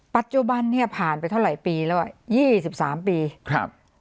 ปัจจุบันเนี้ยผ่านไปเท่าไหร่ปีแล้วอ่ะยี่สิบสามปีครับ